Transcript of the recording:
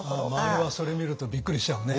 周りはそれ見るとびっくりしちゃうね。